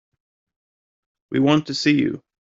We want to see you.